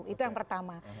itu yang pertama